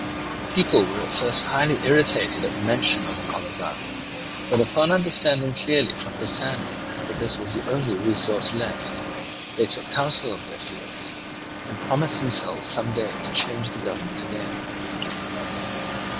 The people were at first highly irritated at the mention of an oligarchy, but upon understanding clearly from Pisander that this was the only resource left, they took counsel of their fears, and promised themselves some day to change the government again, and gave way.